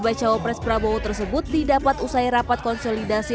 bacawa pres prabowo tersebut didapat usai rapat konsolidasi